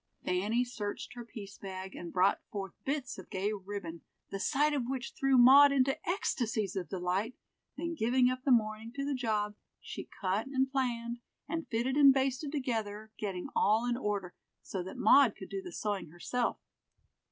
Fanny searched her piece bag and brought forth bits of gay ribbon, the sight of which threw Maud into ecstasies of delight, then giving up the morning to the job, she cut and planned, and fitted and basted together, getting all in order, so that Maud could do the sewing herself.